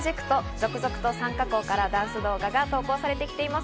続々と参加校からダンス動画が投稿されてきています。